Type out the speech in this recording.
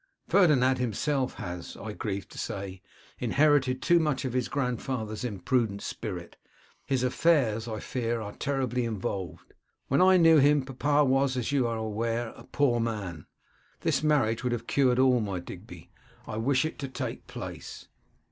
Ferdinand himself has, I grieve to say, inherited too much of his grandfather's imprudent spirit; his affairs, I fear, are terribly involved. When I knew him, papa was, as you are aware, a poor man. This marriage would have cured all; my Digby, I wish it to take place.